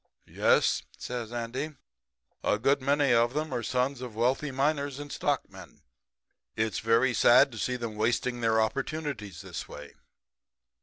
"'Yes,' says Andy, 'a good many of them are sons of wealthy miners and stockmen. It's very sad to see 'em wasting their opportunities this way.'